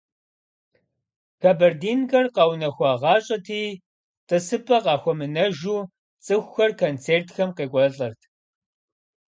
«Кабардинкэр» къэунэхуагъащӀэти, тӀысыпӀэ къахуэмынэжу цӀыхухэр концертхэм къекӀуалӀэрт.